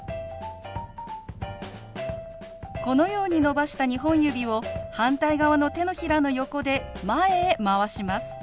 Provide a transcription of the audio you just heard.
このように伸ばした２本指を反対側の手のひらの横で前へ回します。